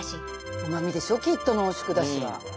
うまみですよきっと濃縮だしは。